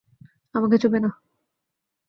আমাকে ছুঁবে না।